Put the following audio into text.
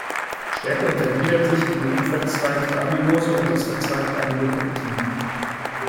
Stärke untergliedert sich in die unverzweigte Amylose und das verzweigte Amylopektin.